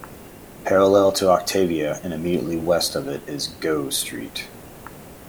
Parallel to Octavia and immediately west of it is Gough Street.